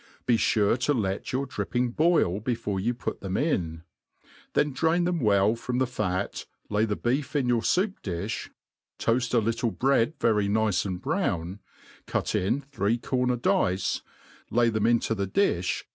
Be fure to let your dripping boil before you put them in ; then drain them well from the fat, lay the beef in your foup dilh, toaft a little bread very nice and bfown, cut in three corner dice, lay them into the difli